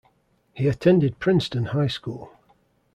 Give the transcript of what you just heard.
He attended Princeton High School.